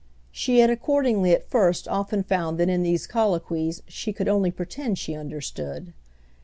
She had accordingly at first often found that in these colloquies she could only pretend she understood.